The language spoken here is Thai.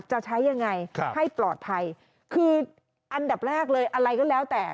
จะใช้ยังไงให้ปลอดภัยคืออันดับแรกเลยอะไรก็แล้วแต่